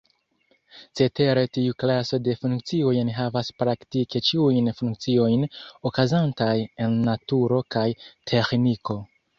Cetere tiu klaso de funkcioj enhavas praktike ĉiujn funkciojn okazantaj en naturo kaj teĥniko.